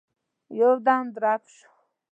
يودم درب شو.